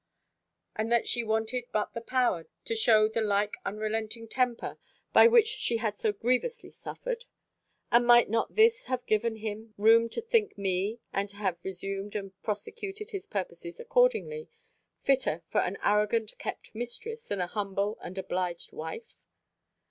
and that she wanted but the power, to shew the like unrelenting temper, by which she had so grievously suffered? And might not this have given him room to think me (and to have resumed and prosecuted his purposes accordingly) fitter for an arrogant kept mistress, than an humble and obliged wife!